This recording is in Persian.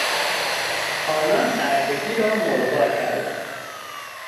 آنان بردگی را ملغی کردند.